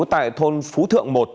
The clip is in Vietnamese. tại thôn phú thượng một